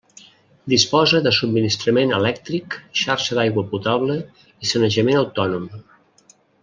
Disposa de subministrament elèctric, xarxa d'aigua potable i sanejament autònom.